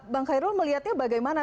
bang khairul melihatnya bagaimana